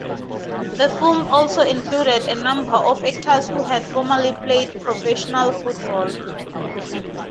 The film also included a number of actors who had formerly played professional football.